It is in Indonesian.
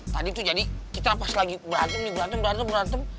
tadi tuh jadi kita pas lagi berantem nih berantem berantem